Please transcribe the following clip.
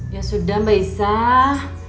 ya sudah mbak isah